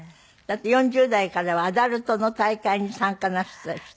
４０代からはアダルトの大会に参加なすったりして。